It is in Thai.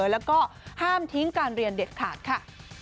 แล้วก็ห้ามทิ้งการเรียนเด็ดขาดค่ะ